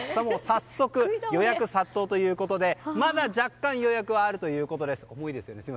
早速、予約殺到ということでまだ若干予約はあるということです。